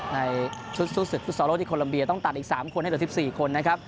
ในสู้สึกฟุตซอร์โลฯที่โคลอัมเบียต้องตัดอีก๓คนให้ตัว๑๔คนนะครับ